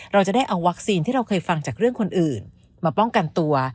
เราจะได้เอาวัคซีนที่เราเคยฟังจากเรื่องคนอื่นมาป้องกันตัว